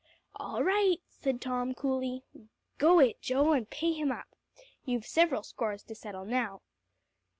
"All right," said Tom coolly. "Go it, Joe, and pay him up. You've several scores to settle now."